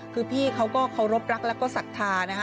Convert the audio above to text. คือพี่เขาก็เคารพรักแล้วก็ศรัทธานะฮะ